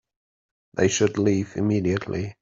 They should leave immediately.